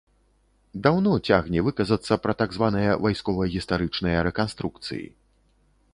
Даўно цягне выказацца пра так званыя вайскова-гістарычныя рэканструкцыі.